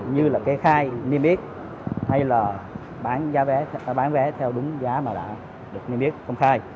như là cái khai niêm yết hay là bán vé theo đúng giá mà đã được niêm yết công khai